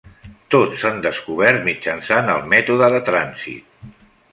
Tots s'han descobert mitjançant el mètode de trànsit.